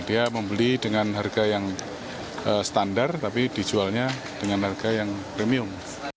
dia membeli dengan harga yang standar tapi dijualnya dengan harga yang premium